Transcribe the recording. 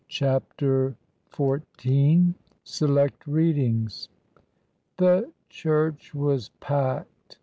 CHAPTER XIV SELECT READINGS 'HE church was packed.